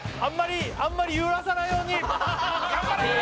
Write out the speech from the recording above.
あんまり揺らさないように頑張れ！